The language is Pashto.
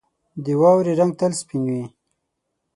• د واورې رنګ تل سپین وي.